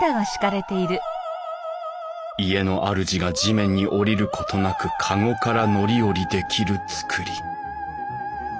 家のあるじが地面に降りることなく籠から乗り降りできる造り。